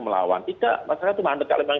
melawan tidak masyarakat itu manut kalau memang